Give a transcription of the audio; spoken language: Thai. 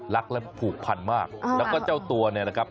รักและผูกพันมากแล้วก็เจ้าตัวเนี่ยนะครับ